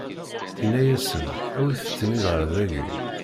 Inna-asen: Awit-ten-id ɣer dagi!